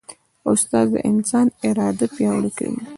استاد د انسان اراده پیاوړې کوي.